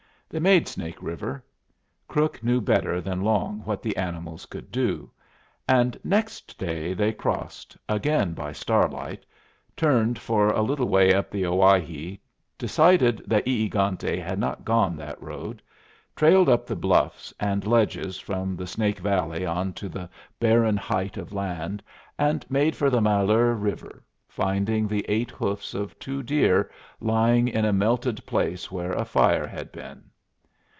They made Snake River. Crook knew better than Long what the animals could do. And next day they crossed, again by starlight, turned for a little way up the Owyhee, decided that E egante had not gone that road, trailed up the bluffs and ledges from the Snake Valley on to the barren height of land, and made for the Malheur River, finding the eight hoofs of two deer lying in a melted place where a fire had been.